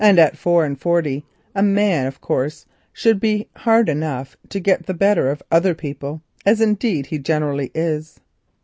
At four and forty a man, of course, should be hard enough to get the better of other people, as indeed he generally is.